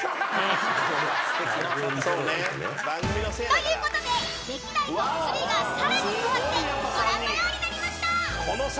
［ということで歴代トップ３がさらに変わってご覧のようになりました］